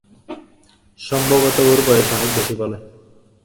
সম্ভবত ওর বয়স অনেক বেশি বলে।